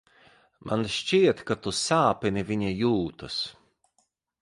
Man šķiet, ka tu sāpini viņa jūtas.